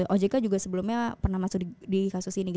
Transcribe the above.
ojk juga sebelumnya pernah masuk di kasus ini